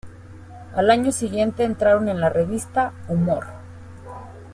Al año siguiente entraron en la revista "Humor".